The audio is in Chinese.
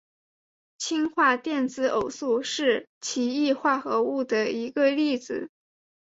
氢化电子偶素是奇异化合物的一个例子。